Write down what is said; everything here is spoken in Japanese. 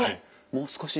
もう少し。